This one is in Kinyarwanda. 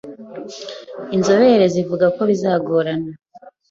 Inzobere zivuga ko bizagorana